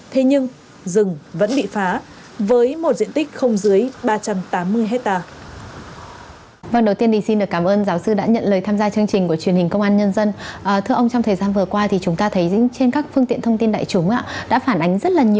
thế nhưng rừng vẫn bị phá với một diện tích không dưới ba trăm tám mươi hectare